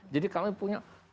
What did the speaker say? jadi kami punya